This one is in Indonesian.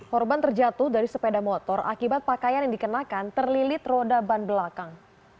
korban terjatuh dari sepeda motor akibat pakaian yang dikenakan terlilit roda ban belakang